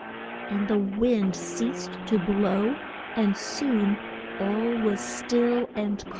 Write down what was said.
And the wind ceased to blow, and soon all was still and calm.